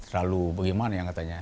lalu bagaimana yang katanya